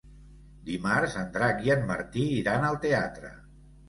Dimarts en Drac i en Martí iran al teatre.